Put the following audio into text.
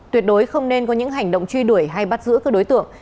tuyệt đối không nên có những hành động truy đuổi hay bắt giữ các đối tượng